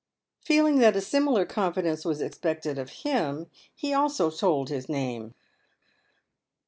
Feeling that a similar confidence was expected of him, he also told his name.